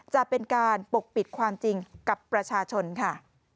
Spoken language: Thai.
จะเป็นการปกปิดความจริงกับประชาชนค่ะ